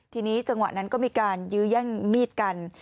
ทีนี้จังหวะนั้นก็มีการยื้อแย่งมีดกัน